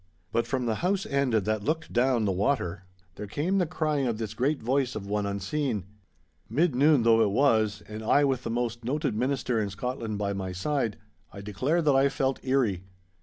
But from the house end that looked down the water, there came the crying of this great voice of one unseen. Mid noon though it was, and I with the most noted minister in Scotland by my side, I declare that I felt eerie.